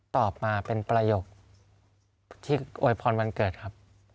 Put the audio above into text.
ตอบมาเป็นประโยคที่อวยพรวันเกิดครับ